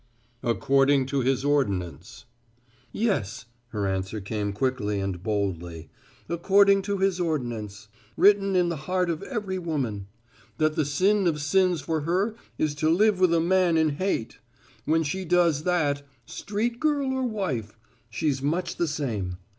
"According to His ordinance." "Yes," her answer came quickly and boldly, "according to his ordinance, written in the heart of every woman that the sin of sins for her is to live with a man in hate. When she does that street girl or wife she's much the same.